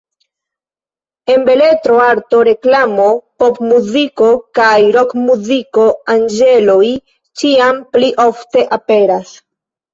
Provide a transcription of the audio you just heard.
En beletro, arto, reklamo, popmuziko kaj rokmuziko anĝeloj ĉiam pli ofte aperas.